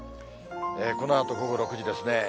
このあと午後６時ですね。